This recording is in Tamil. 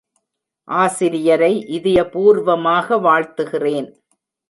ஆசிரியரை இதயபூர்வமாக வாழ்த்துகிறேன்.